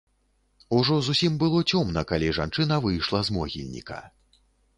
Ужо зусім было цёмна, калі жанчына выйшла з могільніка.